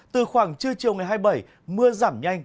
từ khoảng trưa chiều ngày hai mươi bảy mưa giảm nhanh